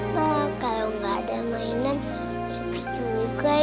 ternyata kalau gak ada mainan seperti juga ya